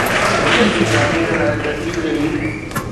ملڪ جي تعمير لاءِ گڏجي ويھي.